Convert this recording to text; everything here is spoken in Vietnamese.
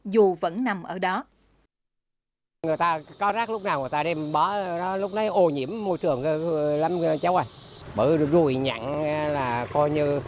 dù vẫn nằm ở đó